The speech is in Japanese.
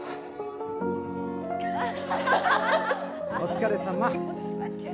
お疲れさま。